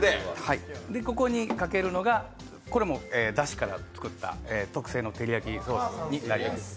ここにかけるのが、これもだしから作った特製の照り焼きソースです。